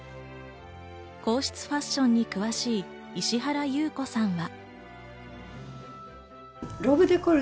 皇室ファッションに詳しい石原裕子さんは。